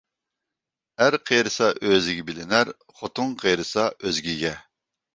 ئەر قېرىسا ئۆزىگە بىلىنەر، خوتۇن قېرىسا ئۆزگىگە.